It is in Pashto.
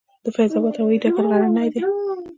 د فیض اباد هوايي ډګر غرنی دی